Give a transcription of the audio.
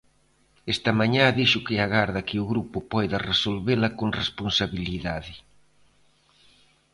Esta mañá dixo que agarda que o grupo poida resolvela con responsabilidade.